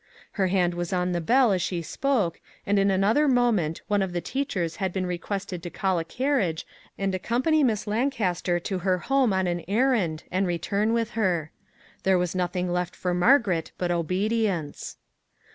Her hand was on the bell as she spoke, and in another moment one of the teachers had been requested to call a car riage and accompany Miss Lancaster to her home on an errand and return with her. There was nothing left for Margaret but obedience.